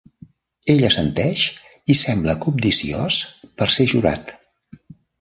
Ell assenteix i sembla cobdiciós per ser jurat.